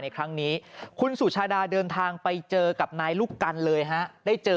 ในครั้งนี้คุณสุชาดาเดินทางไปเจอกับนายลูกกันเลยฮะได้เจอ